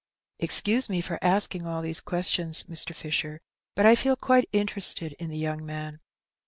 " Excuse me asking all these questions, Mr. Fisher, but I feel quite interested in the young man.